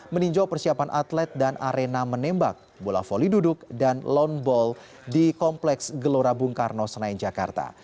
meninjau persiapan atlet dan arena menembak bola volley duduk dan lone ball di kompleks gelora bung karno senayan jakarta